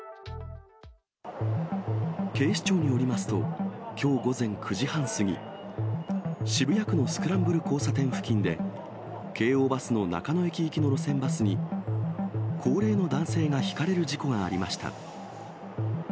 警視庁によりますと、きょう午前９時半過ぎ、渋谷区のスクランブル交差点付近で、京王バスの中野行きの路線バスに、高齢の男性がひかれる事故がありました。